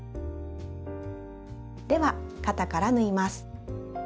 では肩から縫います。